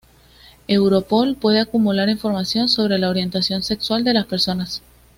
Europol puede acumular información sobre la orientación sexual de las personas.